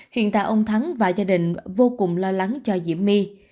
hiện tại ông thắng và gia đình vô cùng lo lắng cho diễm my